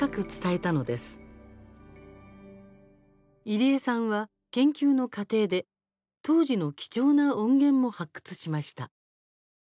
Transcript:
入江さんは研究の過程で当時の貴重な音源も発掘しました。